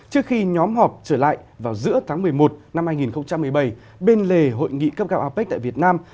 trước khi nhóm họp trở lại vào giữa tháng một mươi một năm hai nghìn một mươi bảy bên lề hội nghị cấp cao apec tại việt nam